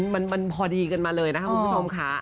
มันพอดีกันมาเลยนะคะคุณผู้ชมค่ะ